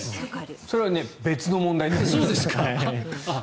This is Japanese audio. それは別の問題です。